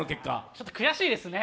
ちょっと悔しいですね。